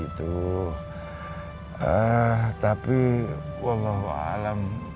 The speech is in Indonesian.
itu eh tapi wallahualam